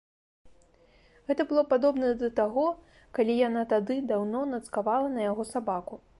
Гэта было падобна да таго, калі яна тады, даўно, нацкавала на яго сабаку.